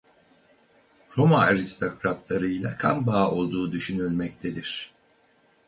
Roma aristokratlarıyla kan bağı olduğu düşünülmektedir.